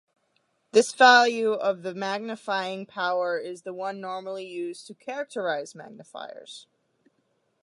This value of the magnifying power is the one normally used to characterize magnifiers.